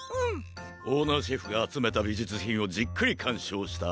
オーナーシェフがあつめたびじゅつひんをじっくりかんしょうしたあとで。